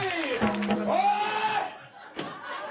おい！